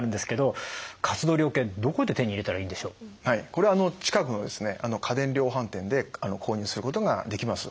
これ近くの家電量販店で購入することができます。